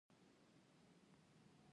د فرا رود سیند په فراه کې دی